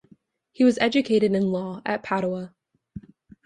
He was educated in law at Padua.